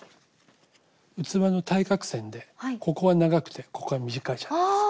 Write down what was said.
器の対角線でここは長くてここは短いじゃないですか。